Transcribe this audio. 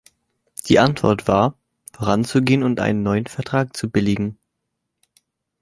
Die Antwort war, voranzugehen und einen neuen Vertrag zu billigen.